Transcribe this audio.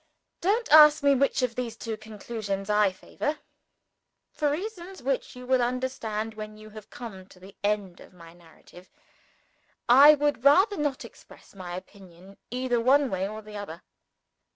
Don't ask me which of these two conclusions I favor. For reasons which you will understand when you have come to the end of my narrative, I would rather not express my opinion, either one way or the other.